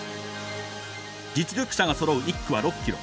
実力者がそろう１区は６ｋｍ。